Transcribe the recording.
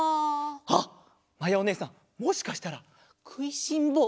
あっまやおねえさんもしかしたらくいしんぼうな